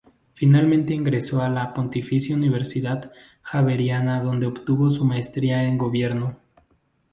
Finalmente ingreso a la Pontificia Universidad Javeriana donde Obtuvo su Maestría en Gobierno.